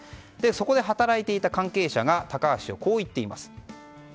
そこで働いていた関係者が高橋氏をこう言っています。